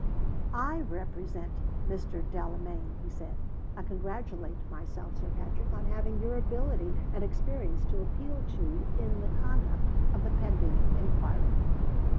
"I represent Mr. Delamayn," he said. "I congratulate myself, Sir Patrick, on having your ability and experience to appeal to in the conduct of the pending inquiry."